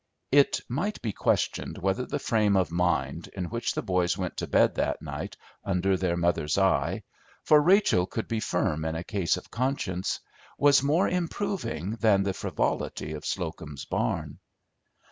It might be questioned whether the frame of mind in which the boys went to bed that night under their mother's eye, for Rachel could be firm in a case of conscience, was more improving than the frivolity of Slocum's barn.